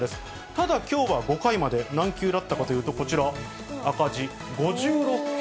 ただきょうは５回まで何球だったかというと、こちら、赤字、５６球。